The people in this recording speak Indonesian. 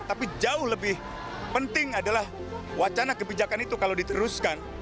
tapi jauh lebih penting adalah wacana kebijakan itu kalau diteruskan